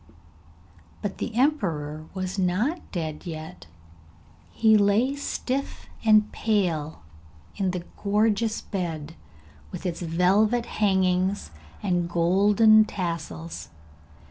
But the emperor was not dead yet. He lay stiff and pale in the gorgeous bed with its velvet hangings and heavy golden tassels.